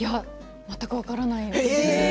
全く分からないんです。